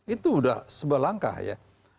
itu sudah sebuah langkah ya